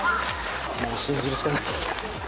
もう信じるしかないです。